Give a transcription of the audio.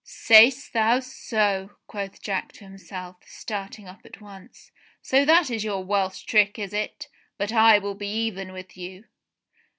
'* "Say'st thou so!" quoth Jack to himself, starting up at once. "So that is your Welsh trick, is it.? But I will be even with you."